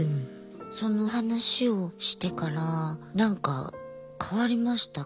その話をしてから何か変わりました？